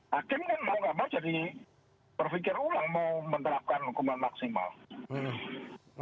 hakim kan mau gak mau jadi berpikir ulang mau menerapkan hukuman maksimal